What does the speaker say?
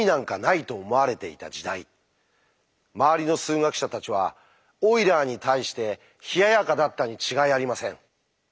周りの数学者たちはオイラーに対して冷ややかだったに違いありません。